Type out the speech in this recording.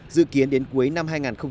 dự kiến đến cuối năm hai nghìn một mươi bảy